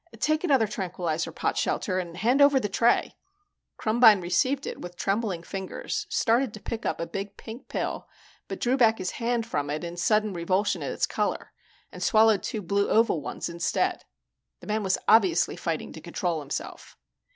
Take another tranquilizer, Potshelter, and hand over the tray." Krumbine received it with trembling fingers, started to pick up a big pink pill but drew back his hand from it in sudden revulsion at its color and swallowed two blue oval ones instead. The man was obviously fighting to control himself.